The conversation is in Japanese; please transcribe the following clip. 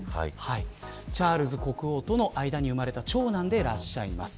チャールズ国王との間に生まれた長男でいらっしゃいます。